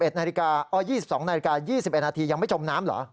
๒๒นาฬิกา๒๑นาทียังไม่จมน้ำเหรอ